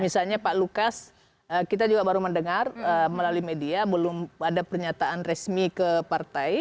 misalnya pak lukas kita juga baru mendengar melalui media belum ada pernyataan resmi ke partai